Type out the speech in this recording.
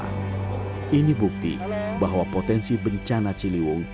besar belanda jakarta dan merenggut puluhan nyawa ini bukti bahwa potensi bencana ciliwung